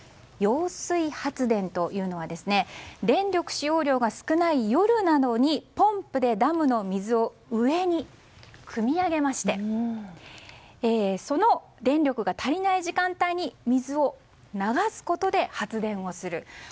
揚水発電というのは電力使用量が少ない夜などにポンプでダムの水を上にくみ上げましてその電力が足りない時間帯に水を流すことで発電をする。